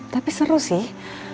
tapi seru sih